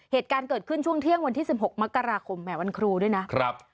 เหตุการณ์เกิดขึ้นช่วงเที่ยงวันที่๑๖มกราคมแหมวันครูด้วยนะครับ